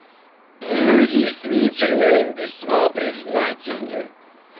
Мы действительно им весьма признательны.